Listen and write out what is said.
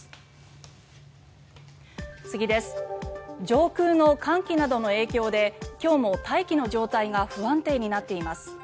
上空の寒気などの影響で今日も大気の状態が不安定になっています。